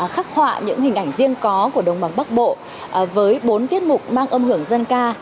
khắc họa những hình ảnh riêng có của đồng bằng bắc bộ với bốn tiết mục mang âm hưởng dân ca